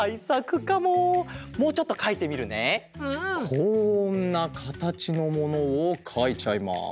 こんなかたちのものをかいちゃいます。